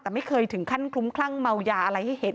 แต่ไม่เคยถึงขั้นคลุ้มคลั่งเมายาอะไรให้เห็น